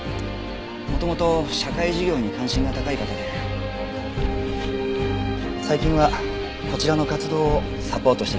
元々社会事業に関心が高い方で最近はこちらの活動をサポートしていました。